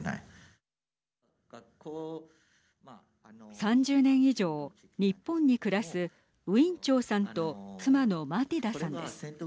３０年以上、日本に暮らすウィン・チョウさんと妻のマティダさんです。